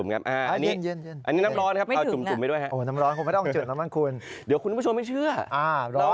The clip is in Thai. นี่น้ำเย็นนี่น้ำร้อน